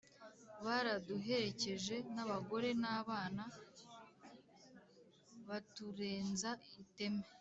baraduherekeje n’abagore n’abana baturenza iteme.